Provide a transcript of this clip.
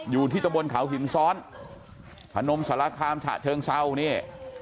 อยู่ที่ตะบนเขาหินซ้อนพนมสารคามฉะเชิงเศร้านี่